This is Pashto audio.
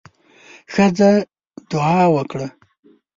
ښځه دعا وکړه.